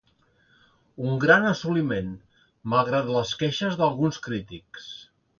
Un gran assoliment, malgrat les queixes d'alguns crítics.